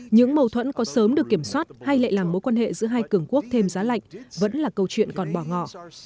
những mâu thuẫn có sớm được kiểm soát hay lại làm mối quan hệ giữa hai cường quốc thêm giá lạnh vẫn là câu chuyện còn bỏ ngỏ